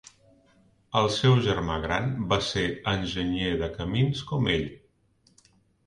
El seu germà gran va ser enginyer de camins com ell.